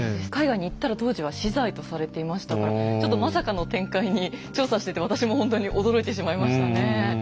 海外に行ったら当時は死罪とされていましたからちょっとまさかの展開に調査していて私もほんとに驚いてしまいましたね。